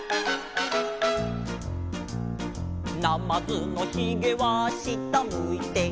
「なまずのひげは下むいて」